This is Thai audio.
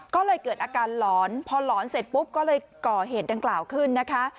ก็เลยเกิดอาการหลอนพอหลอนเสร็จปุ๊บก็เลยก่อเหตุดังกล่าวขึ้นนะคะ